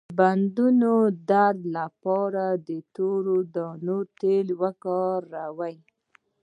د بندونو درد لپاره د تورې دانې تېل وکاروئ